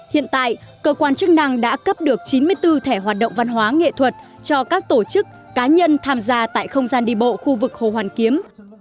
hiện tại cơ quan chức năng đã cấp được chín mươi bốn thẻ hoạt động văn hóa nghệ thuật cho các tổ chức cá nhân tham gia tại không gian đi bộ khu vực hồ hoàn kiếm